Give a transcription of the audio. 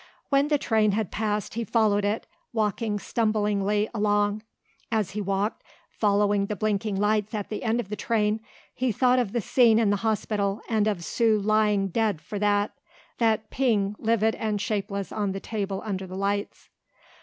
When the train had passed he followed it, walking stumblingly along. As he walked, following the blinking lights at the end of the train, he thought of the scene in the hospital and of Sue lying dead for that that ping livid and shapeless on the table under the lights.